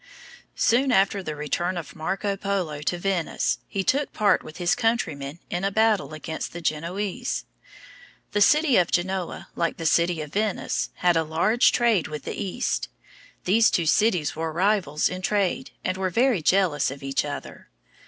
Soon after the return of Marco Polo to Venice, he took part with his countrymen in a battle against the Genoese. The city of Genoa, like the city of Venice, had a large trade with the East. These two cities were rivals in trade, and were very jealous of each other.